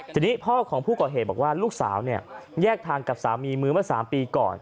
ทีนี้พ่อของผู้ก่อเหตุบอกว่าลูกสาวแยกทางกับสามีมือเมื่อ๓ปีก่อน